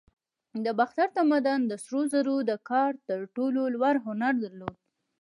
د باختر تمدن د سرو زرو د کار تر ټولو لوړ هنر درلود